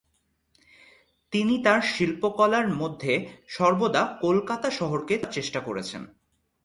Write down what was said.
তিনি তার শিল্পকলার মধ্যে সর্বদা কলকাতা শহরকে তুলে ধরার চেষ্টা করেছেন।